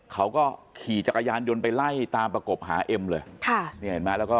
เขาก็ขี่จักรยานยนต์ไปไล่ตามประกบจะหาเอ็มเลย